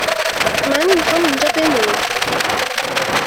من می خوام اینجا بمونی